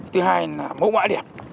thứ hai là mẫu mãi đẹp